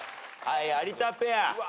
はい有田ペア。